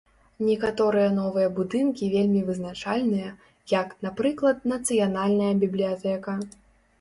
Некаторыя новыя будынкі вельмі вызначальныя, як, напрыклад, нацыянальная бібліятэка.